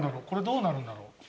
これどうなるんだろう？